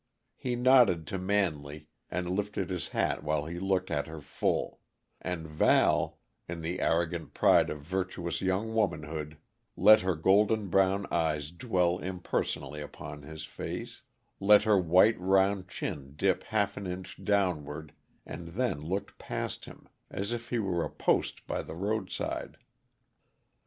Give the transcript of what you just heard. He nodded to Manley and lifted his hat while he looked at her full; and Val, in the arrogant pride of virtuous young womanhood, let her golden brown eyes dwell impersonally upon his face; let her white, round chin dip half an inch downward, and then looked past him as if he were a post by the roadside.